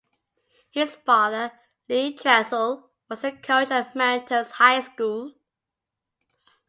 His father, Lee Tressel, was the coach at Mentor's high school.